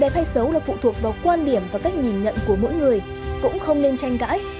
phai xấu là phụ thuộc vào quan điểm và cách nhìn nhận của mỗi người cũng không nên tranh cãi